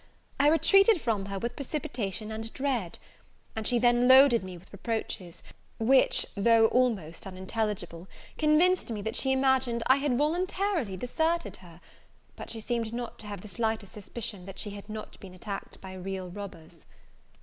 I retreated from her with precipitation and dread: and she then loaded me with reproaches, which, though almost unintelligible, convinced me that she imagined I had voluntarily deserted her; but she seemed not to have the slightest suspicion that she had not been attacked by real robbers.